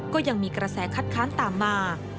ก็ยังมีกระแสคัดค้านตามมา